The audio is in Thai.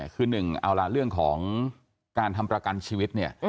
คือ๑เอาละเรื่องของการทำประกันชีวิต